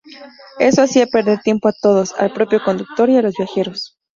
Eso hacía perder tiempo a todos, al propio conductor y a los viajeros.